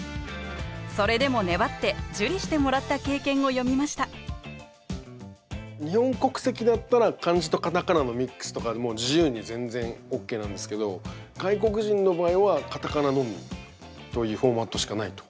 それでも粘って受理してもらった経験を詠みました日本国籍だったら漢字と片仮名のミックスとかでも自由に全然ＯＫなんですけど外国人の場合は片仮名のみというフォーマットしかないと。